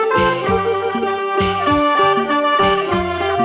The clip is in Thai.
เธอไม่รู้ว่าเธอไม่รู้